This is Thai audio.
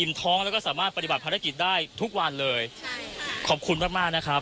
ท้องแล้วก็สามารถปฏิบัติภารกิจได้ทุกวันเลยขอบคุณมากมากนะครับ